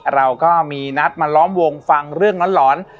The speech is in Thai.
เราก็มีนัดมาล้อมวงฟังเรื่องหลอน